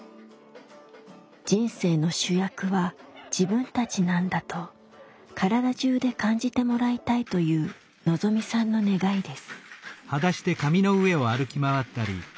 「人生の主役は自分たちなんだ」と体中で感じてもらいたいというのぞみさんの願いです。